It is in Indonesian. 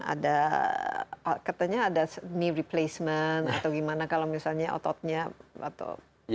ada katanya ada ney replacement atau gimana kalau misalnya ototnya atau